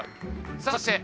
さあそして？